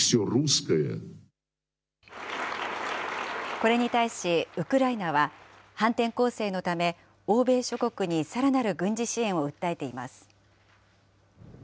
これに対しウクライナは、反転攻勢のため、欧米諸国にさらなる軍事支援を訴えています。